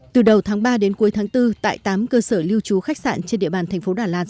từ đầu tháng ba đến cuối tháng bốn tại tám cơ sở lưu trú khách sạn trên địa bàn thành phố đà lạt